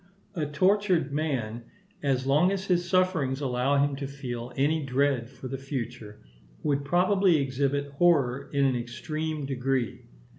A tortured man, as long as his sufferings allowed him to feel any dread for the future, would probably exhibit horror in an extreme degree.